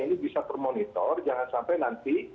ini bisa termonitor jangan sampai nanti